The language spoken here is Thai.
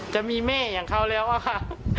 จะมีแม่อย่างเขาแล้วอะค่ะ